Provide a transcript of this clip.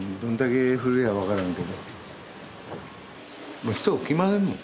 もう人来ませんもん。